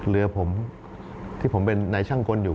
เรือผมที่ผมเป็นนายช่างกลอยู่